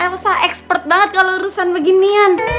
elsa expert banget kalau urusan beginian